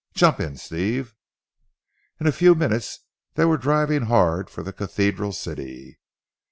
Jump in Steve." In a few minutes they were driving hard for the cathedral city.